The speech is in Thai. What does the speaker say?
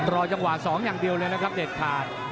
รอจังหวะ๒อย่างเดียวเลยนะครับเด็ดขาด